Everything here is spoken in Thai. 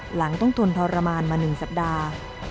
หลังต้องทนทรมานมา๑สัปดาห์